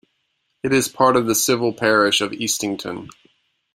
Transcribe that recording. It is part of the civil parish of Eastington.